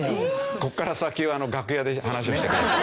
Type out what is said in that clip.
ここから先は楽屋で話をしてください。